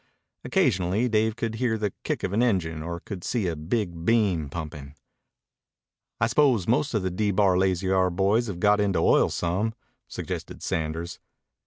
Occasionally Dave could hear the kick of an engine or could see a big beam pumping. "I suppose most of the D Bar Lazy R boys have got into oil some," suggested Sanders.